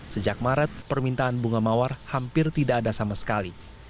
sejak maret permintaan bunga mawar hampir tidak ada sama sekali